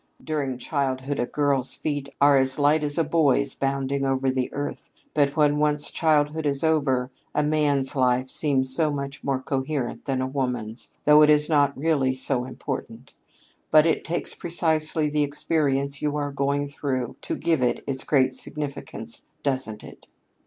During childhood a girl's feet are as light as a boy's bounding over the earth; but when once childhood is over, a man's life seems so much more coherent than a woman's, though it is not really so important. But it takes precisely the experience you are going through to give it its great significance, doesn't it?